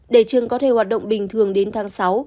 để trường có thể hoạt động bình thường đến tháng sáu